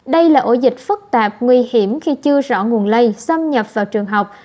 đây là ổ dịch phức tạp nguy hiểm khi chưa rõ nguồn lây xâm nhập vào trường học